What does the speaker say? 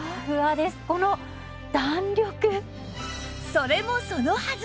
それもそのはず！